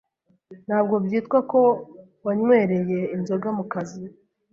ntabwo byitwa ko wanywereye inzoga mu kazi,